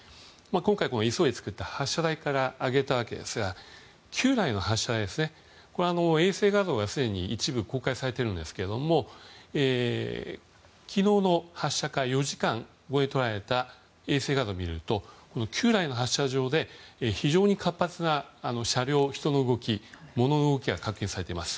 今回、急いで作った発射台から上げたわけですが旧来の発射台、これは衛星画像がすでに一部公開されてるんですけども昨日の発射から４時間後に捉えた衛星画像を見ると旧来の発射場で非常に活発な車両、人の動き物の動きが確認されています。